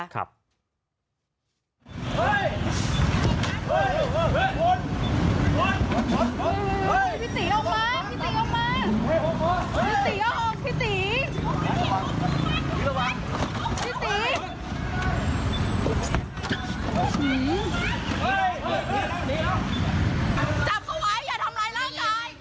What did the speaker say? จับเขาไว้อย่าทำร้ายร่างกาย